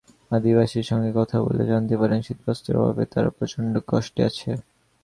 আদিবাসীদের সঙ্গে কথা বলে জানতে পারেন, শীতবস্ত্রের অভাবে তাঁরা প্রচণ্ড কষ্টে আছেন।